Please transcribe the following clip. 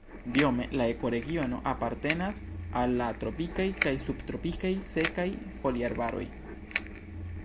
Biome la ekoregiono apartenas al la tropikaj kaj subtropikaj sekaj foliarbaroj.